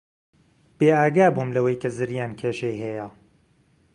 بێئاگا بووم لەوەی کە زریان کێشەی هەیە.